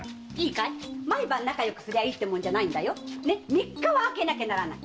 三日は空けなきゃならない。